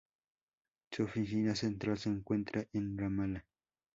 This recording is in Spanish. Su oficina central se encuentra en Ramala.